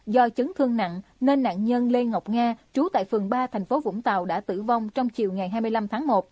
do chấn thương nặng nên nạn nhân lê ngọc nga trú tại phường ba thành phố vũng tàu đã tử vong trong chiều ngày hai mươi năm tháng một